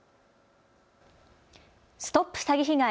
ＳＴＯＰ詐欺被害！